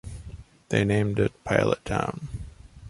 They named it Pilottown.